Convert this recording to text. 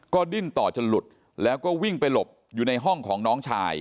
ก็ดิ้นต่อจนหลุดแล้วก็วิ่งไปหลบอยู่ในห้องของน้องชาย